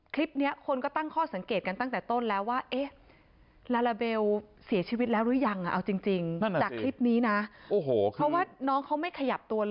คลิปนี้คนก็ตั้งข้อสังเกตกันตั้งแต่ต้นแล้วว่า